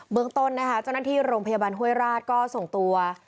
เมืองต้นนะคะเจ้าหน้าที่โรงพยาบาลห้วยราชก็ส่งตัว